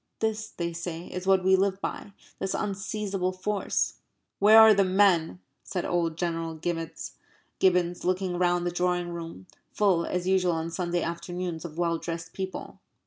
This, they say, is what we live by this unseizable force. "Where are the men?" said old General Gibbons, looking round the drawing room, full as usual on Sunday afternoons of well dressed people.